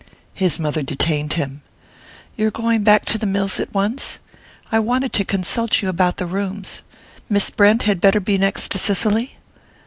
His mother detained him. "You're going back to the mills at once? I wanted to consult you about the rooms. Miss Brent had better be next to Cicely?"